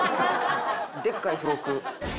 でっかい付録。